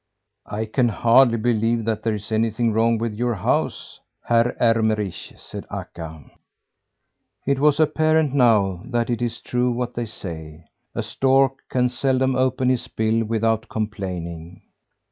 "I can hardly believe that there is anything wrong with your house, Herr Ermenrich," said Akka. It was apparent now that it is true what they say: a stork can seldom open his bill without complaining.